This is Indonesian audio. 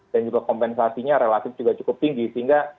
dan juga kompensasinya relatif juga cukup tinggi sehingga